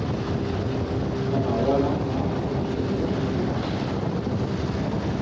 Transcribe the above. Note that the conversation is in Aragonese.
S'apagó a lampa y nos quedemos a escuras.